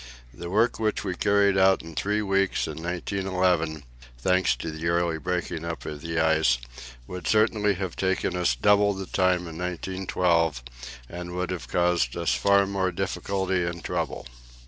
The work which we carried out in three weeks in 1911, thanks to the early breaking up of the ice, would certainly have taken us double the time in 1912, and would have caused us far more difficulty and trouble.